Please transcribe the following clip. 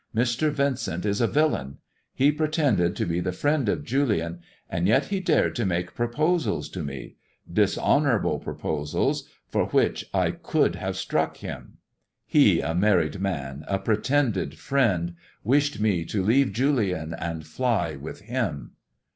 Mr. Vincent is a villain. He pretended to be the friend of Julian, and yet he dared to make proposals " She raised the veil." to me — dishonourable proposals, for which I could have struck him. He, a married man, a pretended friend, wished me to leave Julian and fly with him."